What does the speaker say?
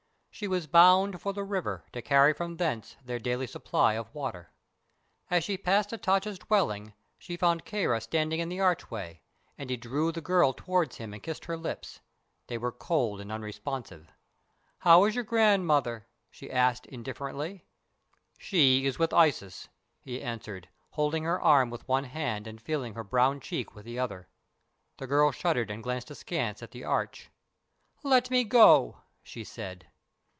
She was bound for the river, to carry from thence their daily supply of water. As she passed Hatatcha's dwelling she found Kāra standing in the archway, and he drew the girl toward him and kissed her lips. They were cold and unresponsive. "How is your grandmother?" she asked, indifferently. "She is with Isis," he answered, holding her arm with one hand and feeling her brown cheek with the other. The girl shuddered and glanced askance at the arch. "Let me go," she said.